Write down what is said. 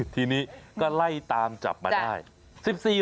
ทีนี้ก็ไล่ตามจับมาได้